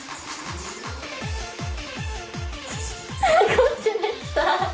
こっちでした。